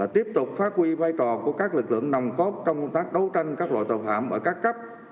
tiếp tục phát huy vai trò của các lực lượng nồng cốt trong công tác đấu tranh các loại tội phạm ở các cấp